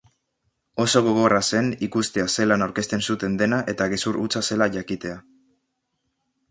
Oso gogorra zen ikustea zelan aurkezten zuten dena eta gezur hutsa zela jakitea.